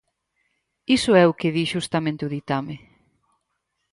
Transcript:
Iso é o que di xustamente o ditame.